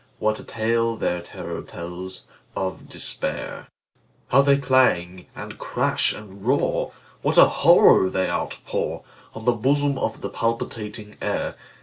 What a tale their terror tellsOf Despair! How they clang, and clash, and roar! What a horror they outpourOn the bosom of the palpitating air!